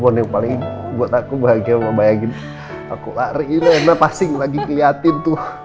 balik paling buat aku bahagia membayangin aku lari naik nafasin lagi kelihatin tuh